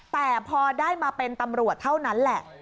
แต่พอได้มาเป็นตำรวจเท่านั้นแหละ